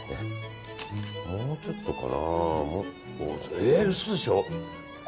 もうちょっとかな？え、嘘でしょ。